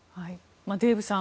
デーブさん